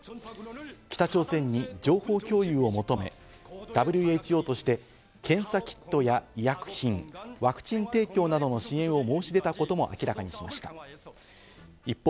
北朝鮮に情報共有を求め、ＷＨＯとして検査キットや医薬品、ワクチン提供などの支援を申し出たことも明らかにしました。